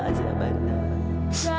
aku terlalu berharga